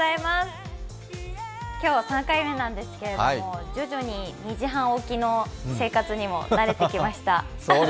今日は３回目なんですけれども徐々に２時半起きの生活にも慣れてきました。